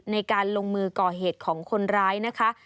ในการลงมือก่อเหตุของคนร้ายนะคะ